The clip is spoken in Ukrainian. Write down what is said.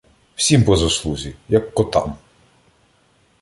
Всім по заслузі, як котам.